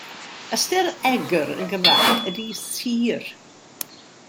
Ystyr egr yn Gymraeg ydy sur.